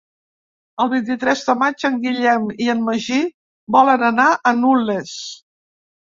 El vint-i-tres de maig en Guillem i en Magí volen anar a Nulles.